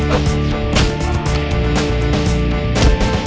dan si forming selesai